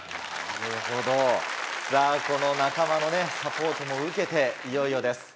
なるほどこの仲間のサポートも受けていよいよです。